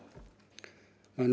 nói về đảng